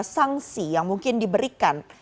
sanksi yang mungkin diberikan